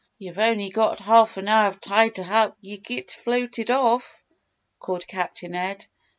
"You've only got half an hour of tide to help yuh git floated off," called Captain Ed.